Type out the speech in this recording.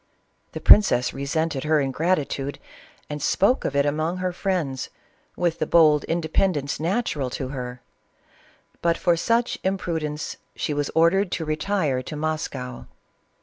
The princess resented her ingratitude and spoke of it among her friends, with the bold independence natural to her ; but for such imprudence she was ordered to retire to Mos cow.